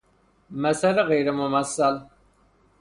مثل غیر ممثل